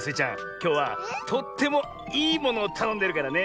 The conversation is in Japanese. きょうはとってもいいものをたのんでるからね！